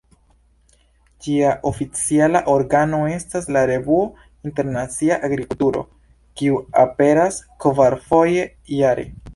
Ĝia oficiala organo estas la revuo "Internacia Agrikulturo", kiu aperas kvarfoje jare.